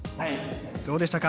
どうでしたか？